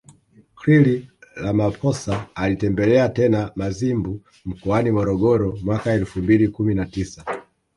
Cyril Ramaphosa alitembelea tena Mazimbu mkoani Morogoro mwaka elfu mbili kumi na tisa